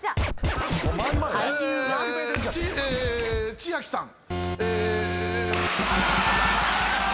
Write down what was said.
千秋さん。